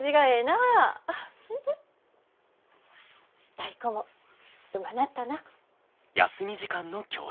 タイ子もうまなったな。